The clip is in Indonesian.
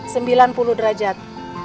sembilan puluh derajat